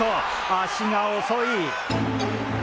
足が遅い！